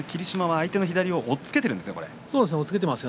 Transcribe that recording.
相手の左を押っつけていますか。